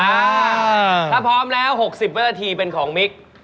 ถ้าพร้อมแล้ว๖๐วินาทีเป็นของมิก